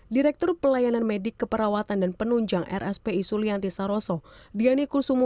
direktur pelayanan medik keperawatan dan penunjang rspi sulianti saroso biani kursumo